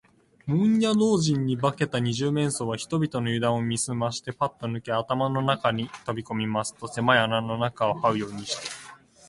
門野老人に化けた二十面相は、人々のゆだんを見すまして、パッとぬけ穴の中にとびこみますと、せまい穴の中をはうようにして、